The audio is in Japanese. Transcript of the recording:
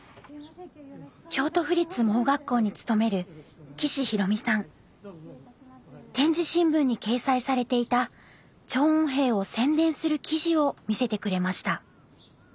京都府立盲学校に勤める点字新聞に掲載されていた聴音兵を宣伝する記事を見せてくれました。